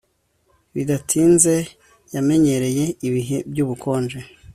Bidatinze yamenyereye ibihe byubukonje